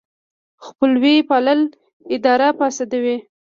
خپلوي پالل اداره فاسدوي.